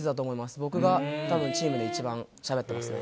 僕がたぶん、チームで一番しゃべってますね。